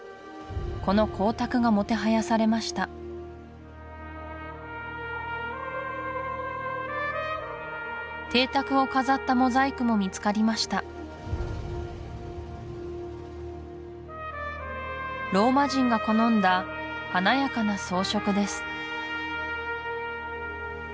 この光沢がもてはやされました邸宅を飾ったモザイクも見つかりましたローマ人が好んだ華やかな装飾です